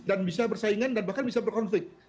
dan bisa bersaingan dan bahkan bisa berkonflik